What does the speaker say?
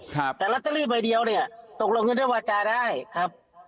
แต่ล็อตเตอรี่ใบเดียวตกลงเงินด้วยวาจาได้ครับ